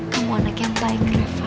kamu anak yang baik kenapa